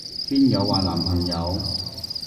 邊有話男朋友？